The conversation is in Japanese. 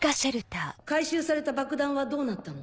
回収された爆弾はどうなったの？